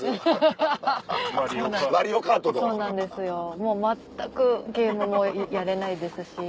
もう全くゲームもやれないですし。